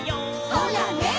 「ほらね」